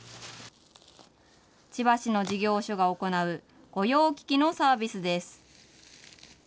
千葉市の事業所が行う御用聞きのサービスです。